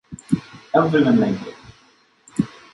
Everyone liked it.